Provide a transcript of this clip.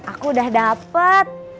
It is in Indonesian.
aku udah dapet